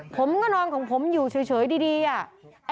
ผมก็นอนของผมอยู่เฉยดีอะ